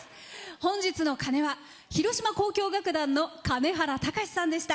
本日の鐘は広島交響楽団の金原俊さんでした。